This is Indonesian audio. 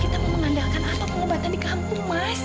kita mau mengandalkan apa pengobatan di kampung mas